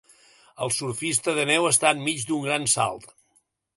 El surfista de neu està enmig d'un gran salt